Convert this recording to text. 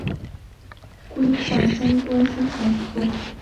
规划相关宣传活动